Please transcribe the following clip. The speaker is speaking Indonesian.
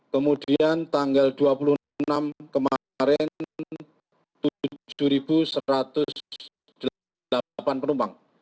kemudian tanggal dua puluh enam kemarin tujuh satu ratus delapan penumpang